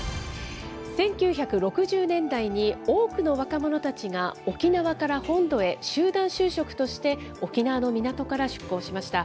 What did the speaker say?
１９６０年代に多くの若者たちが沖縄から本土へ、集団就職として沖縄の港から出港しました。